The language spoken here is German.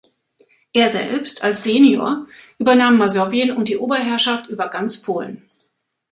Er selbst, als "Senior", übernahm Masowien und die Oberherrschaft über ganz Polen.